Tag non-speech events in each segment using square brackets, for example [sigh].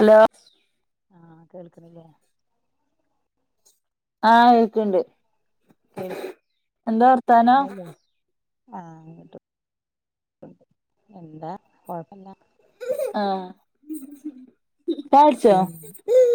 Hello ആ കേൾക്കണില്ലേ ആ ഏക്കണ്ട് വർത്താനം കേൾക്ക് ആട്ട് എന്താ കൊഴപ്പില്ല ആഹ് ചായ കുടിച്ചോ പി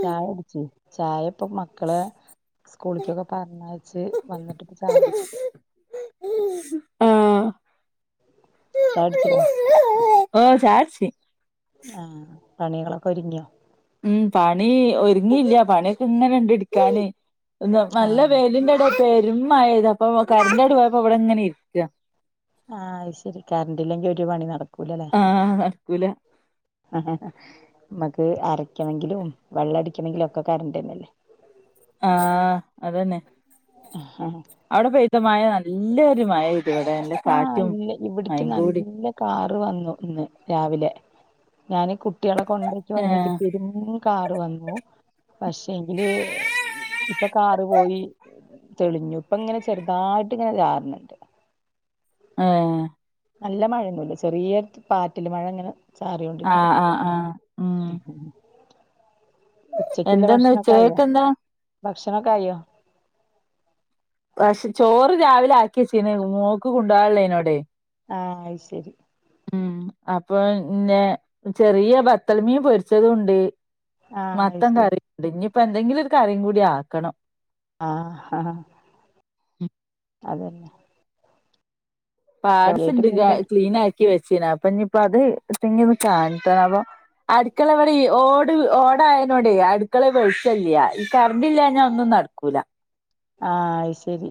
ചായ അടിച്ചു ചായപ്പൊ മക്കളെ സ്കൂളിക്കൊക്കെ പറഞ്ഞയച്ച് വന്നിട്ടി ചാ പിടിച്ചു ആഹ് ചായട്ചിലെ ഓ ചായട്ച് ആ പണികളൊക്കെ ഒരുങ്ങിയോ ഉം പണി ഒരുങ്ങിയില്ല പണിയൊക്കെ ഇങ്ങനെ ഇണ്ട് ഇടിക്കാന് നല്ല ആഹ് വേലിന്റെട പെരു മഴ പെയ്ത് അപ്പൊ കരന്റെ ഇടവപ്പോ അവിടെ ഇങ്ങനെ ഇരിക്കുക ആ അത് ശരി കറന്റില്ലെങ്കി ഒരു പണി നടക്കൂലല്ലേ ആഹ് നടക്കൂല [unintelligible] നമക്ക് അരയ്ക്കണങ്കിലും വെള്ളം അടിക്കണങ്കിലും ഒക്കെ കറണ്ടന്നല്ലേ ആഹ് അതന്നെ ആ അവിടെ പെയ്ത മഴ നല്ലൊ ഒരു മഴ ഇടി ഇവിടെ നല്ല ആഹ് കാറ്റും ഇല്ല ഇവിടക്ക് മയയും കൂടി നല്ല കാറ് വന്നു ഇന്ന് രാവിലെ ഞാൻ കുട്ടികളെ കൊണ്ടേക്കി വന്നേക്ക് ഏഹ് പിരുന്ന കാറ് വന്നു പക്ഷേങ്കില് ഇപ്പൊ കാറ് പോയി തെളിഞ്ഞു ഇപ്പ ഇങ്ങനെ ചെറുതായിട്ട് ഇങ്ങനെ ചാറണണ്ട് ഏഹ് നല്ല മഴൊന്നമല്ല ചെറിയ പാറ്റല് മഴ ഇങ്ങനെ ചാറൊണ്ടിരിക്കും ആഹ് ആഹ് ആഹ് ഉം എന്തെന്നാ ഉചക്ക എന്താ ഭക്ഷണ കായോ പക്ഷെ ചോറ് രാവിലെ ആക്കിയച്ചീണ് മോക്ക് കൊണ്ടോവാള്ളേനോടെ ആയ് അ ശരി ഉം അപ്പൊ പിന്നെ ചെറിയ ബത്തൽമീൻ പൊരിച്ചതു ഉണ്ട് ആഹ് അത് മത്തം ശരി കറിയണ്ട് ഇനിയിപ്പോ എന്തെങ്കിലും ഒരു കറിയും കൂടി ആക്കണം ആ ആ അതല്ല പാട്സ് കാര്യായിട്ട് ഇണ്ട് മീൻ പറ്റി ക്ലീൻ ആക്കി വെച്ചന അപ്പൊ ഇനിയിപ്പ അത് എതെങ്കി ഒന്ന് കാണത്ത അപ്പൊ അടുക്കള ഇവിടെ ഈ ഓട് ഓടായനോടെ അടുക്കള വെളിച്ചല്ല കർന്റില്ല ഞാ ഒന്നും നടക്കൂല ആഹ് അയ് ശരി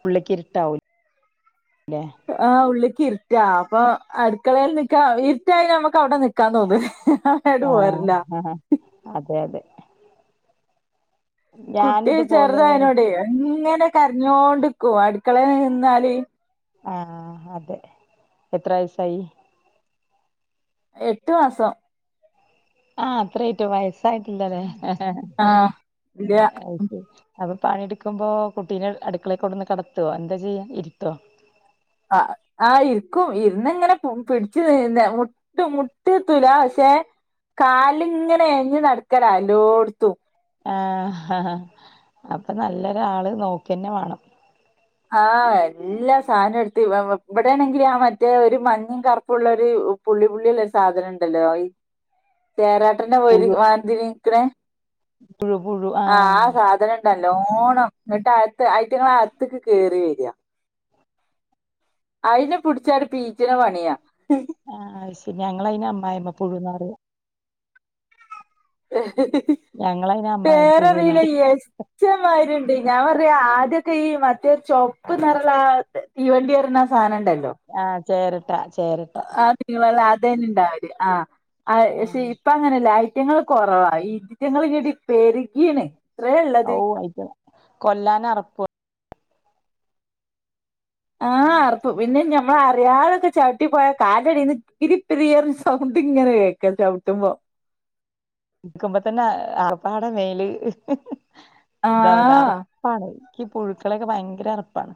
പുള്ളക്ക് ഇരിട്ടാവൂല്ലേ ആഹ് ഉള്ളിക്ക് ഇരുറ്റാ അപ്പൊ അടുക്കളയിൽ നിക്കാ ഇരുട്ടാ നമ്മക്ക് അവിടെ നിക്കാൻ തോന്നുല്ല ആഹ് ആഹ് അതെ അതെ കുട്ടി ഞാനിതുപോലെ ചെറുതായനോട എങ്ങനെ കരഞ്ഞോണ്ടിക്കും അടുക്കളേൽ നിന്നാല് ആഹ് അതെ എത്ര വയസ്സായി എട്ട് മാസം ആ അത്രായിറ്റോ വയസ്സായിട്ടില്ല ലെ ആഹ് ഇല്ല അപ്പൊ പണിടുക്കുമ്പോ കുട്ടീനെ അടുക്കളേക്ക് കൊണ്ടന്ന് കെടത്തോ എന്താ ചെയ്യാ ഇര്ത്തോ അ ആ ഇര്ക്കും ഇര്ന്ന്ങ്ങനെ പു പിടിച്ചു ന്നെ മു ട്ടും മുട്ടുത്തൂല പഷേ കാല്ങ്ങനെ എഴഞ്ഞ് നടക്കല എല്ലോട്ത്തും ആഹ് ഹഹ അപ്പം നല്ലൊരാള് നോക്കന്നെ വാണം ആ എല്ലാ സാനം എട്ത്ത് ഇവ ഇവടെണെങ്കില് ആ മറ്റേ ഒരു മഞ്ഞിം കർപ്പുള്ളരു ഉപ് പുള്ളി പുള്ളിള്ള ഒര് സാധനം ഇണ്ടല്ലോ ഈ ചെരാട്ടന്റെ വല് മാതിരിക്ക്‌ണേ പുഴുപുഴു ആഹ് സാധനം ഉണ്ട് നല്ലോണം ന്നട്ട് അത്ത് ഐറ്റങ്ങള് അകത്ത്ക്ക് കേറി വരാ അയിനെ പുട്ചാണ്ട് പീച്ണ പണ്യാ ആ അയ്ശരി ഞങ്ങള അയിനെ അമ്മായമ്മ പുഴുന്നാറിയാ ഞങ്ങളയിന് അമ്മായിമ്മ പുഴുന്നാ പേരറീല പറയാ യെസ് ച്ചം മാരിണ്ട് ഞാൻ പർഞ്ഞ് ആദ്യൊക്കെ ഈ മറ്റേ ചൊപ്പ് നെറള്ള ആ തീവണ്ടിർഞ്ഞ ആ സാനംണ്ടല്ലോ ആഹ് ചേരട്ടാ ചേരട്ടാ [unintelligible] അദേനി ഇണ്ടാവല് ആ പഷേ ആഹ് ഇപ്പ അങ്ങനെല്ല ഐറ്റങ്ങള് കൊറവാ ഇതിറ്റങ്ങള് കെടി പെരുകീണ് ഇത്രേ ഓ ഉള്ളത് അയിറ്റ കൊല്ലാനറപ്പു ആഹ് അറപ്പു പിന്നെ ഞമ്മള് അ റിയാതൊക്കെ ചവിട്ടി പോയാ കാലിൻ്റടീന്ന് പിരി പിരിർഞ്ഞ സൗണ്ട് ഇങ്ങനെ കേക്ക ചവ്ട്ടുമ്പോ ക്കുമ്പോ തന്നെ അർപ്പാടെ മേല് ആ ഇതാവണ് അർ പ്പാണ് ഇക്കി പുഴുക്കളൊക്കെ ഭയങ്കര അറപ്പാണ്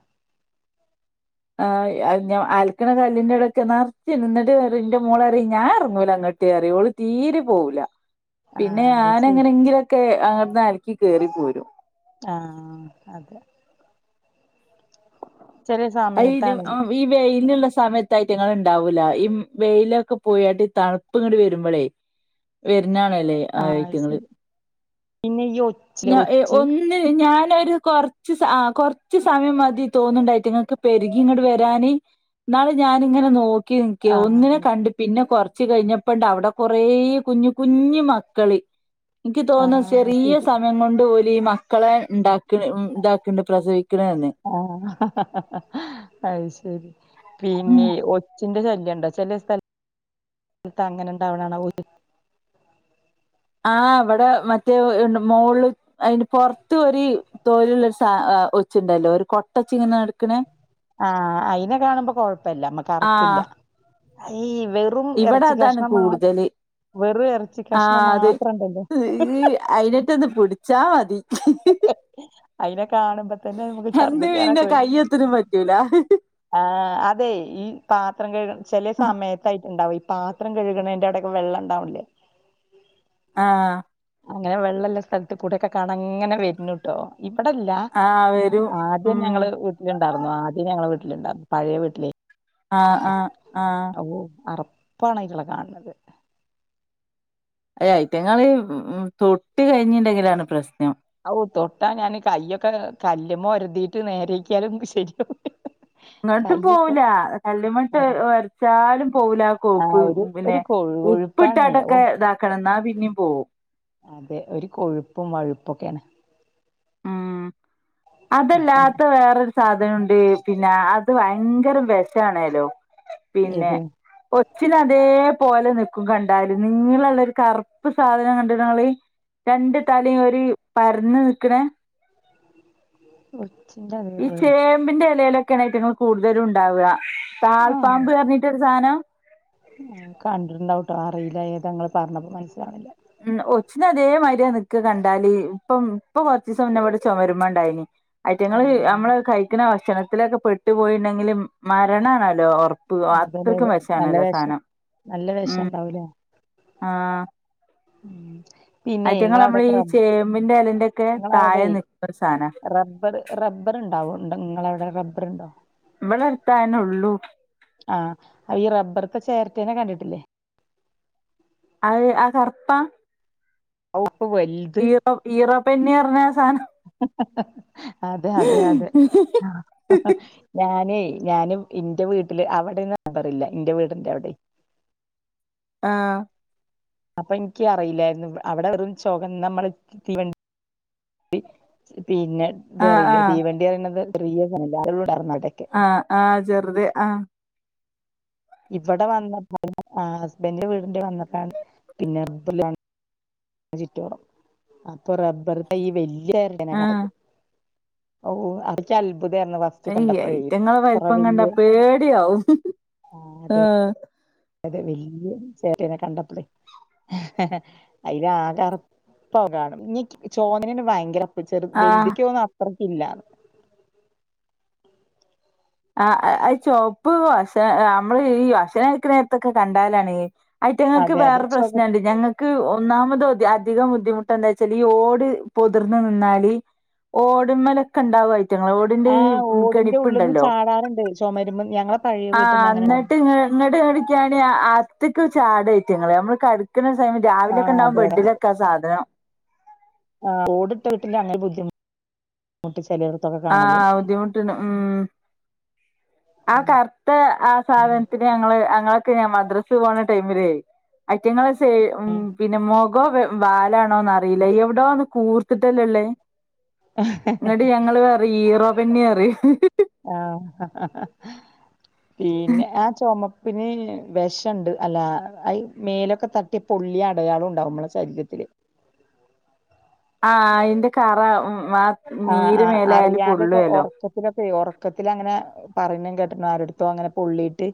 ആ [unintelligible] അൽക്ക്‌ണ കല്ലിന്റെ വ്ടെക്കെ നർച്ച് ന്നട്ട്റിം ന്റെ മോളറിം ഞാൻ ഇർങ്ങൂല അങ്ങട്ട്റിം ഓള് തീരിം പോവൂല പിന്നെ ആഹ് അത് ഞാന് ശരി എങ്ങനെങ്കിലൊക്കെ അവ്ട്ന്ന് അൽക്കി കേറി പോരും ആഹ് അതെ ചെല സമയത്താണ് [unintelligible] ഈ വെയില്ള്ള സമയത്ത് അയ്റ്റങ്ങള് ഇണ്ടാവൂല ഈ വെയിലൊക്കെ പോയാട്ട് ഈ തൺപ്പ് ഇങ്ങട് വരുമ്പളെ വെര്ന്നാളലെ ആഹ് അയ്ശരി പിന്നെ ഈ ഒച്ച്ലെ ഒച്ച് ന്ന് ഞാനൊരു കൊർച്ച് സ ആ കൊർച്ച് സമയം മതി തോന്ന്ണ്ട അയ്റ്റങ്ങക്ക് പെരുകി ഇങ്ങട് വരാന് ന്നാള് ഞാനിങ്ങനെ നോക്കി നിക്കേ ആഹ് ഒന്നിനെ അതെ കണ്ടി പിന്നെ കൊർച്ച് കഴിഞ്ഞപ്പണ്ട് അവ്ടെ കൊറേ കുഞ്ഞ് കുഞ്ഞ് മക്കള് ഇക്ക് തോന്ന ആഹ് ചെറിയ ശരി സമയം കൊണ്ട് ഓല് ഈ മക്കളെ ഇണ്ടാ ക്ക്‌ണ് ഇതാക്ക്‌ണ്ട് പ്രസവിക്ക്‌ണ് ന്നെ ആഹ് അയ് ശരി ഉം പിന്നെ ഒ ച്ചിന്റെ ശല്യം ഇണ്ടോ ചെലെ സ്ഥൽത്ത് അങ്ങനെ ഇണ്ടാവണാണാ ഓല് ആ ഇവടെ മറ്റേ ണ്ട് മോൾള് അയിൻ്റെ പൊർത്ത് ഒര് തോല്ള്ളരു സാ ആ ഒച്ച്ണ്ടല്ലോ ഒരു കൊട്ടച്ചിങ്ങനെ നട്ക്ക്‌ണ ആ അയിനെ കാണുമ്പോ കൊഴപ്പല്ല മ്മക്ക് അറപ്പില്ല ആഹ് ഈ വെൽ വെറും ഇവിടെ എർച്ചി അതാണ് കഷ്ണം മാ കൂടുതല് വെറും എർച്ചി കഷ്ണം മാത്രം ണ്ടല്ലോ അയിനെറ്റന്ന് പുട്ച്ചാ മതി അയിനെ കാണുമ്പോ തന്നെ മുക്ക് എന്ത് പിന്നെ ഛർദിക്കാനൊക്കെ വരും കയ്യെത്തനും പറ്റൂല ആ അതെ ഈ പാത്രം കഴിക ചെലെ സമയത്തായിട്ട്ണ്ടാവ ഈ പാത്രം കഴുകണേന്റെടെ വെള്ളം ഇണ്ടാവിണ്ല്ലേ ആഹ് അങ്ങനെ വെള്ളല്ല സ്ഥൽത്ത് കൂടെക്കെ കാണാ അങ്ങനെ വര്നു ട്ടോ ഇവടല്ല ആഹ് വരും ആദ്യം ഉം ഞങ്ങള് ലുണ്ടായിരുന്നു ആദ്യം ഞങ്ങള വീട്ടിലുണ്ടായിരുന്നു പഴയ വീട്ടിലെ ആഹ് ആഹ് ആഹ് ഓ അറപ്പാണ് അയിറ്റാളെ കാണന്നത് അ ഐറ്റങ്ങള്ൾ ഉ തൊട്ട് കഴിഞ്ഞിണ്ടെങ്കിലാണ് പ്രശ്നം ഔ തൊട്ടാ ഞാൻ കയ്യൊക്കെ കല്മ്മോ ഒരുതീട്ട് നേരേക്ക്യാലും ശരിയാ ഇങ്ങോട്ടും പോവുല കല്ലമട്ട് അതെ. ഒരച്ചാലും പോവുല ആ കോപ്പ് ഒരു പിന്നെ ഒരു കൊഴു ഉപ്പ് കൊഴുപ്പാണേ. ഓ ഇട്ടാണ്ടൊക്കെ ഇതാക്കണം എന്നാ പിന്നെയും പോവും അതെ ഒരു കൊഴുപ്പും വഴുപ്പും ഒക്കെയാണ് ഉം അതല്ലാത്ത വേറൊരു സാധനം ഉണ്ട് പിന്നെ അത് ഭയങ്കര വിഷ ആണേലോ പിന്നെ ഏത് ഒച്ചിന്റെ അതേ പോലെ നിക്കും കണ്ടാല് നീളമുള്ള ഒരു കറുപ്പ് സാധനം കണ്ട്ണ ഇങ്ങള് രണ്ട് തലയും ഒരു പരന്നു നിക്കണേ ഒച്ചിന്റെ അതേ ഈ പോലെ ചേമ്പിന്റെ ഇലയിലൊക്കെയാണ് അയിറ്റിങ്ങൾ കൂടുതലും ഇണ്ടാവുക താൾ പാമ്പ് പറഞ്ഞിട്ട് ഒരു സാധനം കണ്ടിട്ടുണ്ടാവുട്ടാ അറിയില്ല ഏതാ ഇങ്ങൾ പറഞ്ഞപ്പോ മനസ്സിലാവില്ല ഉ ഒച്ചിന്റെ അതേ മാര്യാ നിക്ക കണ്ടാല് ഇപ്പം ഇപ്പൊ കൊറച്ചീസം മുന്നെ ഇവിടെ ചുമരുമ്മെ ഇണ്ടായിനി അയിറ്റിങ്ങള് ആഹ് നമ്മള് കഴിക്കുന്ന ഭക്ഷണത്തിലൊക്കെ പെട്ടു പോയി ഇണ്ടെങ്കില് മരണാണോലൊ ഒറപ്പ് അതേലെ അത്രയ്ക്കും വിഷം നല്ല ആണോലോ ആ വെഷം സാനം നല്ല ഉം വെഷണ്ടാവൂലേ? ആഹ് ഉം പിന്നെ അയ്റ്റങ്ങള് നമ്മള് നിങ്ങളവിടെക്കെ ഈ റബ്ബ ചേമ്പിന്റെ എലന്റെക്കെ ഇങ്ങളവിടെ താഴെ നിക്ക്ണ സാനാ റബ്ബർ റബ്ബർ ഉണ്ടാവൊ ഉണ്ട് ഇങ്ങള അവിടെ റബ്ബർണ്ടോ ഇവിടെ അടുത്തതെന്നെ ഉള്ളൂ ആഹ് അ ഈ റബ്ബർത്തെ ചേരട്ടേനെ കണ്ടിട്ടില്ലേ അത് ആ കറുപ്പാ ചോപ്പ് വലുത് ഇറൊ പെന്ന് പറഞ്ഞാ സാധനം അതെ അതെ അതെ ഞാനേ ഞാൻ ഇന്റെ വീട്ടില് അവിടെന്നും അങ്ങനെ പറില്ല ഇന്റെ വീടിന്റെ അവിടെ ആഹ അപ്പൊ ഇനിക്ക് അറിയില്ലായിരുന്നു അവിടെ വെറും ചൊകന്ന നമ്മള് തീവണ്ടി പിന്നെ ഇത് ആഹ് അറിയില്ലേ ആഹ് തീവണ്ടി പറയുന്നത് [unintelligible] അവിടൊക്കെ ആ ആഹ് ചെറുത് ആ ഇവിടെ വന്നപ്പോ ഹസ്ബൻന്റെ വീടിന്റെ വന്നപ്പ ആണ് പിന്നെ [unintelligible] ചുറ്റോറം അപ്പൊ റബ്ബർതൈ വലിയ ഇനങ്ങൾ ആഹ് കാണത് ഓ അത് ഇന്കി അത്ഭുതേര്ന്ന് ഫസ്റ്റ് കണ്ടപ്പഴേ അയിറ്റിങ്ങളെ ഇത്ര വലിപ്പം കണ്ട വല്യ പേടിയവും അതെ ആഹ് അതെ വല് ഒരു ചേരട്ടെനെ കണ്ടപ്പളെ അത് ആകെ അറപ്പവും കാണുമ്പൊ ഇനി ചോന്നല് ഭയങ്കര ചെറു ആഹ് വലുതിക്കി തോന്നും അത്രക്കി ഇല്ലാന്ന് ആ അ ചുവപ്പ് വശ നമ്മള് ഈ ഭക്ഷണം കയിക്ക്ണ നേരത്ത് ഒക്കെ കണ്ടാലാണ് അറ്റിങ്ങക്ക് അതെ അതെ വേറെ ചൊക പ്രശ്നണ്ട് ഞങ്ങക്ക് ഒന്നാമത് അധികം ബുദ്ധിമുട്ട് എന്താ വെച്ചാൽ ഈ ഓട് പൊതിർന്ന് നിന്നാല് ഓടുമ്മെലൊക്കെ ഉണ്ടാവും അയിറ്റിങ്ങൾ ആ് ഓടിന്റെ ഉള്ളിൽന്ന് ചാടാറുണ്ട് ചുമരുമ്മെ ഞങ്ങളെ പഴയ വീട്ടിൽന്ന് ആഹ് അങ്ങനെ ഇന്നിട്ട് ഇന്നിട്ട് നോക്ക്യാണി അകത്ത്ക്ക് ചാടും അയിറ്റിങ്ങൾ നിക്കുന്ന സമയം ആ രാവിലൊക്കെ ഉണ്ടാവും അതെ ബെഡിലൊക്കെ ആ സാധനം ആഹ് ഓട് ഇട്ട വീട്ടില് അങ്ങനെ ബുദ്ധിമു മുട്ട് ചെലേട്ത്തൊക്കെ ആഹ് ബുദ്ധിമുട്ട്ണ്ട് ഉം ആ കർത്ത ആ സാധൻത്തിന് ഞങ്ങള് അങ്ങളൊക്കെ ഇങ്ങനെ മദ്രസ്പോണ ടൈമിലേ അയറ്റിങ്ങള് സൈ ഉം പിൻ പിന്നെ മൊകം വാലാണോന്നറിയില്ല എവ്ടോന്ന് കൂർത്തിട്ടല്ലേ ഇള്ളത് ന്നട്ട് ഞങ്ങള് പറിം ഈറോ ബെന്നി പറിം ആഹ് പിന്നെ ആ ചൊമ പിന്നെ വെഷണ്ട് അല്ല അഹ് മേലൊക്കെ തട്ടിയ പൊള്ളി അടയാളം ഉണ്ടാവും നമ്മളെ ശരീരത്തില് ആഹ് അയിന്റെ കറ ആ നീര് മേലായാല് പൊള്ളോലൊ ക്കത്തിലൊക്കെ ഒറക്കത്തിലങ്ങനെ പറയണ കേട്ട്ക്ക്ണ് ആരെട്ത്തോ അങ്ങനെ പൊള്ളീട്ട്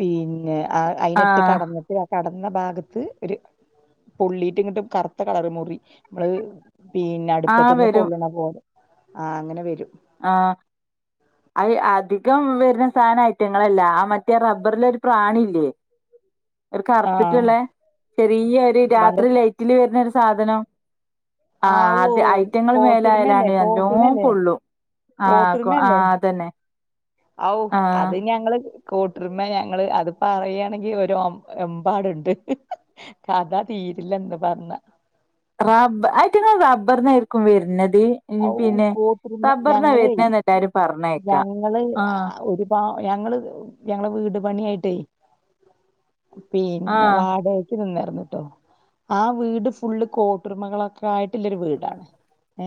പിന്നെ ആഹ് അയിനട്ട് ആഹ് കെടന്ന് തിയ കെടന്ന ഭാഗത്ത് ഒര് പൊള്ളീട്ട്ങ്ങട്ട് കർത്ത കളറ് മുറി മ്മള് പിന്നെ ആഹ് അടുപ്പത്ത്ന്ന് വരും പൊള്ള്ണപോലെ ആഹ് അങ്ങനെ വരും ആഹ് അഹ് അധികം വരുന്ന സാന ഐറ്റങ്ങളല്ല ആ മറ്റേ റബ്ബർലൊരു പ്രാണില്ലേ ഒര് ആഹ് കർത്തിട്ട്ള്ള ചെറിയൊരു വണ്ട് രാത്രി ലൈറ്റില് വര്ന്നരു സാധനം ആഹ് ആവോ അത് ഐറ്റങ്ങൾ കോട്ടൊര്മല്ലെ മേലായാലാണ് നല്ലോം കോക്ക്മല്ലേ പൊള്ളും ആഹ് കൊ കോട്ടുരുമല്ലേ ആഹ് അതന്നെ ഔ ആഹ് അത് ഞങ്ങള് കോട്ടൊര്മ്മ ഞങ്ങള് അത് പറയാണെങ്കി ഒരു എമ്പാട്ണ്ട് കഥ തീരില്ലന്ന് പർഞ്ഞ റാ ബ്ബ ആയിറ്റ്ങ്ങള് റബ്ബർന്നായിരിക്കും വെര്നത് ഇഞ് ഔ പിന്നെ കോട്ടുരുമ റബ്ബർന്ന ഞങ്ങളെ വെര്ന്നെന്ന് എല്ലാരും പറഞ്ഞേക്കാ ആഹ് പ്പാ ഞങ്ങള് ഞങ്ങളെ വീട് പണിയായിട്ട് പിന്നെ ആഹ് വാടയ് ക്ക് നിന്നാര്ന്ന്ട്ടോ ആ വീട് ഫുള്ള് കോട്ടൊരുമകളൊക്കെ ആയിട്ട്ല്ലരു വീടാണ്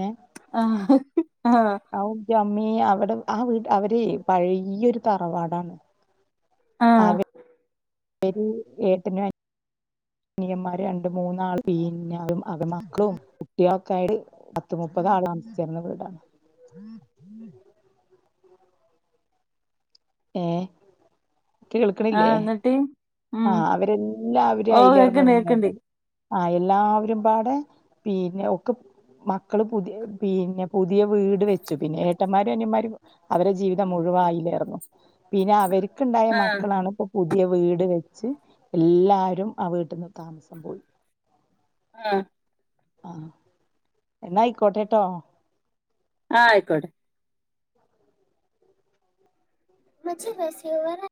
ഏഹ് ആഹ് ഔ ന്റെമ്മീ അവിടെ ആ വീട് അവര് പഴയൊരു തറവാടാണ് ആഹ് ഇവര് ഏട്ടനു അനി നിയന്മാര് രണ്ട് മൂന്നാൾ പിന്നെ അവരെ മക്ക്ളും കുട്ട്യാളൊക്കെ ആയിട്ട് പത്ത് മുപ്പതാള് താമസിചര്ന്ന വീടാണ് ഏഹ് കേൾക്കണില്ലേ? ആഹ് ന്നട്ട് ആഹ് അവരെല്ലാവരും അയിലേറ്ന്ന് കേക്ക്ണ്ട് നിന്നത് ആഹ് എല്ലാവരുംപാടെ പിന്നെ ഒക്കെ മക്കള് പുതിയ പിന്നെ പുതിയ വീട് വെച്ചു പിന്നെ ഏട്ടമ്മാരും അനിയന്മാരും അവരെ ജീവിതം മുഴുവ അയിലായിരുന്നു. പിന്നെ അവര്ക്ക്ണ്ടായ ആഹ് മക്കളാണ് ഇപ്പോ പുതിയ വീട് വെ ച്ച് എല്ലാരും ആ വീട്ട്ന്ന് താമസം പോയി ആഹ് ആഹ് എന്നാ അയിക്കോട്ടെട്ടോ ആഹ് അയിക്കോട്ടെ മ്മച്ചി റെസീവറ